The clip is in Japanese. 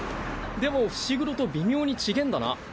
でも伏黒と微妙に違ぇんだな。